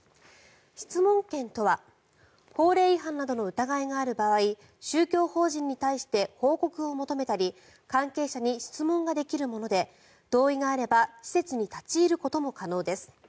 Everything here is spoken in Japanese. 質問権とは法令違反などの疑いがある場合宗教法人に対して報告を求めたり関係者に質問ができるもので同意があれば施設に立ち入ることも可能です。